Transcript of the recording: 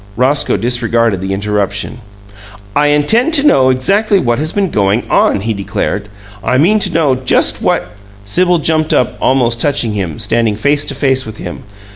Roscoe disregarded the interruption. "I intend to know exactly what has been going on," he declared. "I mean to know just what " Sibyl jumped up, almost touching him, standing face to face with him.